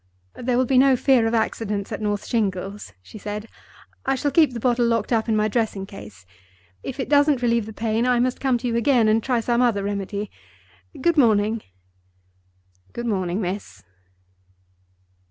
"There will be no fear of accidents at North Shingles," she said. "I shall keep the bottle locked up in my dressing case. If it doesn't relieve the pain, I must come to you again, and try some other remedy. Good morning." "Good morning, miss."